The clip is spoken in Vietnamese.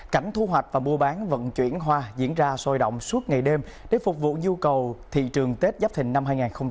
cảnh thu hoạch và mua bán vận chuyển hoa diễn ra sôi động suốt ngày đêm để phục vụ nhu cầu thị trường tết giáp thình năm hai nghìn hai mươi bốn